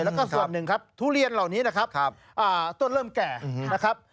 แล้วก็ส่วนหนึ่งครับทุเรียนเหล่านี้นะครับต้นเริ่มแก่นะครับ